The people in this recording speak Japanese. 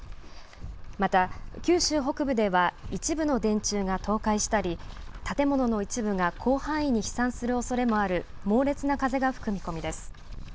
また九州北部では、一部の電柱が倒壊したり、建物の一部が広範囲に飛散するおそれもある、猛烈な風が吹く見込みです。